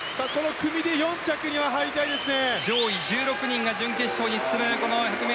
組の４着には入りたいですよね。